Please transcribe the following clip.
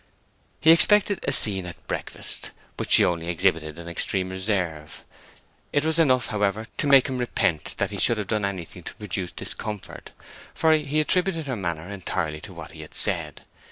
He expected a scene at breakfast, but she only exhibited an extreme reserve. It was enough, however, to make him repent that he should have done anything to produce discomfort; for he attributed her manner entirely to what he had said.